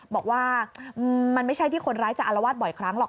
บอกว่ามันไม่ใช่ที่คนร้ายจะอารวาสบ่อยครั้งหรอก